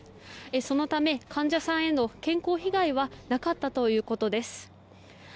そのため、患者さんへの健康被害はなかったそうです。